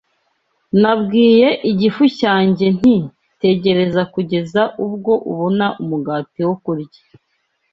Nabwiye igifu cyanjye nti, “Tegereza kugeza ubwo ubona umugati wo kurya.”